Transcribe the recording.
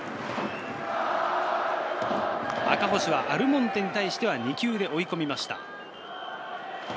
赤星はアルモンテに対して２球で追い込みました。